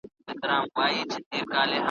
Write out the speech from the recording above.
غیږي ته مي راسي مینه مینه پخوانۍ ,